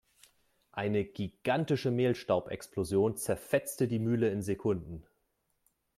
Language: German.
Eine gigantische Mehlstaubexplosion zerfetzte die Mühle in Sekunden.